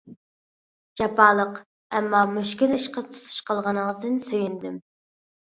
جاپالىق ئەمما مۈشكۈل ئىشقا تۇتۇش قىلغىنىڭىزدىن سۆيۈندۈم.